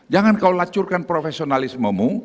jangan kau lacurkan profesionalismemu